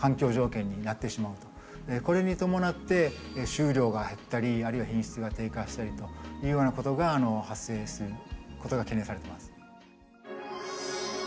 これに伴って収量が減ったりあるいは品質が低下したりというようなことが発生することが懸念されています。